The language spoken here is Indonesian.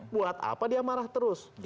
buat apa dia marah terus